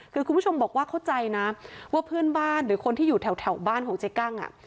คือคุณผู้ชมบอกว่าเข้าใจนะว่าเพื่อนบ้านหรือคนที่อยู่แถวบ้านของเจ๊กั้ง